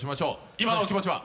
今の気持ちは？